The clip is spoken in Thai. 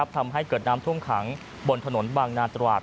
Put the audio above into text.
ทำให้เกิดน้ำท่วมขังบนถนนบางนาตราด